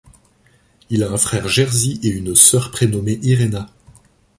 Il a un frère Jerzy et une sœur prénommée Irena.